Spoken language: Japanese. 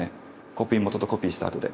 コピー元とコピーしたあとで。